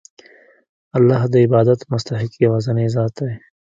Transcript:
الله د عبادت مستحق یوازینی ذات دی.